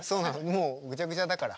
もうぐちゃぐちゃだから。